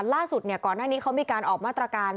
ล่าสุดก่อนหน้านี้เขามีการออกมาตรการ